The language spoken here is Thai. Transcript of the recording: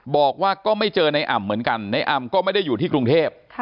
บอกว่าก็ไม่เจอในอ่ำเหมือนกันในอ่ำก็ไม่ได้อยู่ที่กรุงเทพ